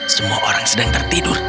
semua orang sedang tertidur